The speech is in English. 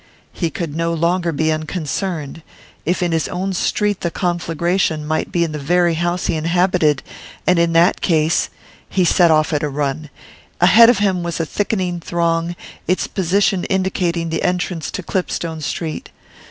He could no longer be unconcerned. If in his own street the conflagration might be in the very house he inhabited, and in that case He set off at a run. Ahead of him was a thickening throng, its position indicating the entrance to Clipstone Street.